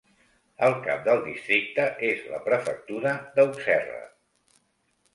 El cap del districte és la prefectura d'Auxerre.